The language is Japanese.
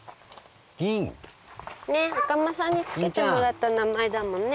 赤間さんに付けてもらった名前だもんね